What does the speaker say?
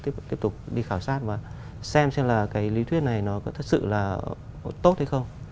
tiếp tục đi khảo sát và xem xem là cái lý thuyết này nó có thật sự là tốt hay không